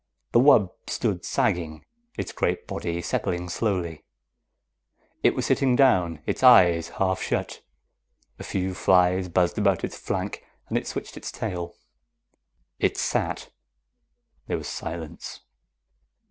The wub stood sagging, its great body settling slowly. It was sitting down, its eyes half shut. A few flies buzzed about its flank, and it switched its tail. It sat. There was silence.